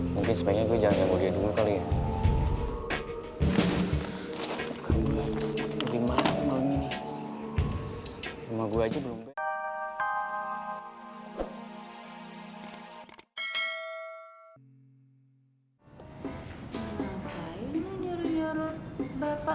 mungkin sebaiknya gue jalan jalan boleh dulu kali ya